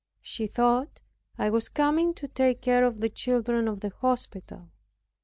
She thought I was coming to take care of the children of the hospital.